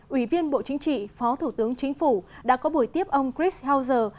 ủy viên bộ chính trị phó thủ tướng chính phủ đã có buổi tiếp ông chris house